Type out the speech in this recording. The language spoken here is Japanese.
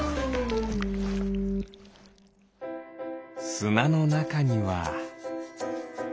すなのなかには。